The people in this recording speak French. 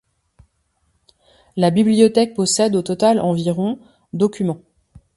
La bibliothèque possède au total environ documents.